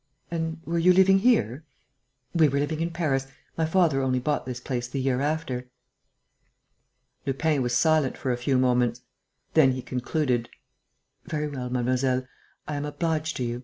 "And were you living here?" "We were living in Paris. My father only bought this place the year after." Lupin was silent for a few moments. Then he concluded: "Very well, mademoiselle, I am obliged to you.